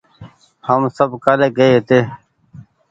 هم سب ڪآلي گئي هيتي